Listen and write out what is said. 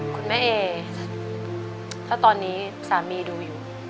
คุณแม่เอถ้าตอนนี้สามีดูอยู่